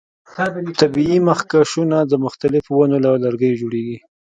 طبیعي مخکشونه د مختلفو ونو له لرګیو جوړیږي.